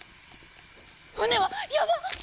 船は⁉やばっ！